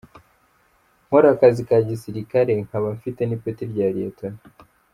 Nkora akazi ka gisirikali nkaba mfite n’ipeti rya Lt.